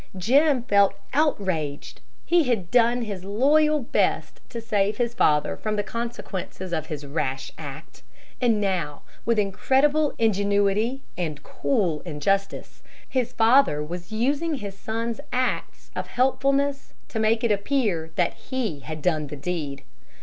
Jim felt outraged. He had done his loyal best to save his father from the consequences of his rash act, and now, with incredible ingenuity and cool injustice, his father was using his son's acts of helpfulness to make it appear that he had done the deed.